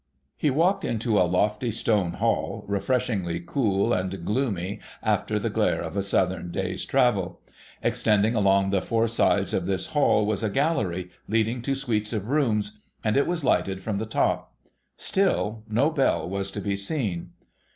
He walked into a lofty stone hall, refreshingly cool and gloomy after the glare of a Southern day's travel. Extending along the four sides of this hall was a gallery, leading to suites of rooms ; and it was lighted from the top. Still no bell was to be seen.